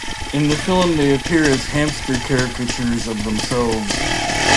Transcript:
In the film they appear as hamster caricatures of themselves.